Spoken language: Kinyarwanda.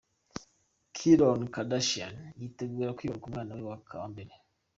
Khloe Kardashian yiteguye kwibaruka umwana we wa mbere.